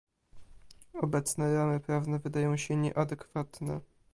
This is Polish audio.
Obecne ramy prawne wydają się nieadekwatne